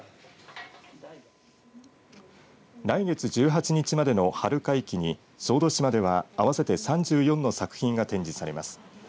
来月１８日までの春会期に小豆島では合わせて３４の作品が展示されます。